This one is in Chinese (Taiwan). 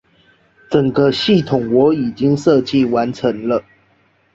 整個系統我已經設計完成了